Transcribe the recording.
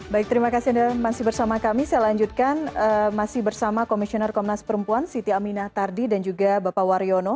baik terima kasih anda masih bersama kami saya lanjutkan masih bersama komisioner komnas perempuan siti aminah tardi dan juga bapak waryono